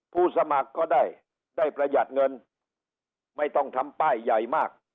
ผู้สมัครก็ได้ได้ประหยัดเงินไม่ต้องทำป้ายใหญ่มาก